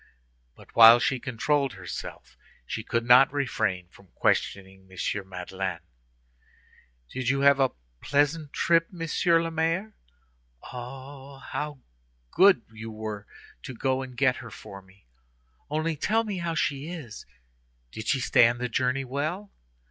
But while she controlled herself she could not refrain from questioning M. Madeleine. "Did you have a pleasant trip, Monsieur le Maire? Oh! how good you were to go and get her for me! Only tell me how she is. Did she stand the journey well?